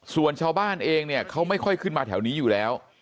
ส่วนชาวบ้านเองเนี่ยเขาไม่ค่อยขึ้นมาแถวนี้อยู่แล้ว